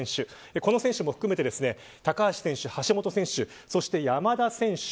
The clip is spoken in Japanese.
この選手も含めて高橋選手、橋本選手そして山田選手